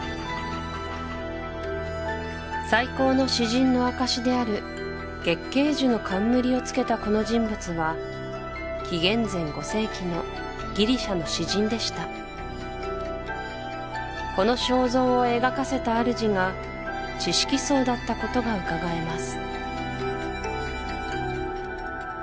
最高の詩人の証しである月桂樹の冠をつけたこの人物は紀元前５世紀のギリシャの詩人でしたこの肖像を描かせた主が知識層だったことがうかがえます